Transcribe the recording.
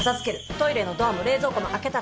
トイレのドアも冷蔵庫も開けたら閉める」